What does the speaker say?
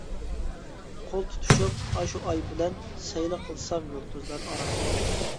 قول تۇتۇشۇپ ئاشۇ ئاي بىلەن، سەيلە قىلسام يۇلتۇزلار ئارا.